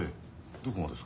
どこがですか？